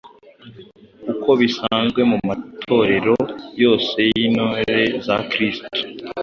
uko bisanzwe mu matorero yose y’intore za Kristo.